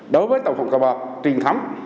đối với tổng phòng cờ bạc truyền thống